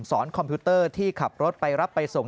คอมพิวเตอร์ที่ขับรถไปรับไปส่ง